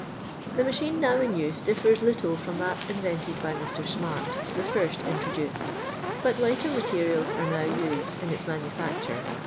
The machine now in use differs little from that invented by Mr. Smart, the first introduced, but lighter materials are now used in its numufacture.